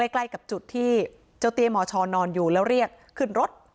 ใกล้กับจุดที่เจ้าเตี้ยมชนอนอยู่แล้วเรียกขึ้นรถ